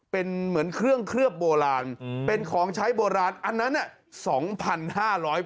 เป็นเหมือนเครื่องเคลือบโบราณเป็นของใช้โบราณอันนั้นน่ะ